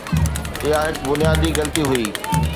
اها هڪ بنيادي غلطي هئي.